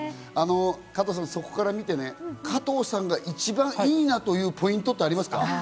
加藤さん、そこから見て、加藤さんが一番いいなというポイントってありますか？